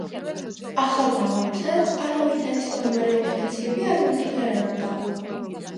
ახალდაბა, სადაც არავითარი საომარი ოპერაციები არ მიმდინარეობდა.